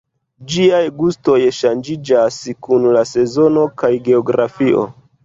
Ĝiaj gustoj ŝanĝiĝas kun la sezono kaj geografio.